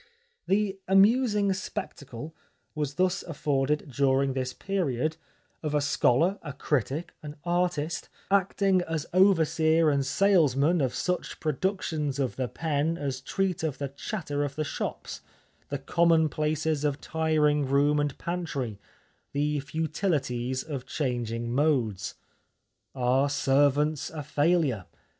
The amusing spectacle was thus afforded during this period, of a scholar, a critic, an artist acting as overseer and salesman of such pro ductions of the pen as treat of the chatter of the shops, the commonplaces of tiring room and pantry, the futilities of changing modes. " Are Servants a Failure